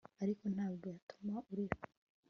ariko ntabwo yatuma urira